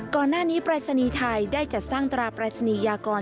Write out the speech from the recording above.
ก่อนหน้านี้ปรายศนีย์ไทยได้จัดสร้างตราปรายศนียากร